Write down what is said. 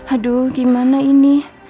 aduh gimana ini